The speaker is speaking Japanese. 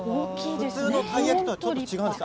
普通のたい焼きとはちょっと違うんです。